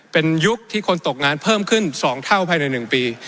เป็นยุคที่คนตกงานเพิ่มขึ้น๒เท่าภายใน๑ปี